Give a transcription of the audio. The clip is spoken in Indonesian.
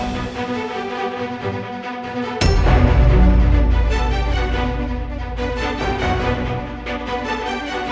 bapak betul pak tuan segera